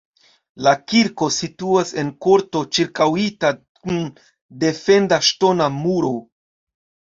La kirko situas en korto ĉirkaŭita kun defenda ŝtona muro.